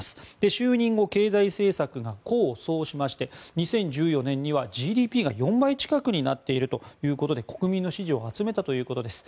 就任後経済政策が功を奏しまして２０１４年にはＧＤＰが４倍近くになっているということで国民の支持を集めたということです。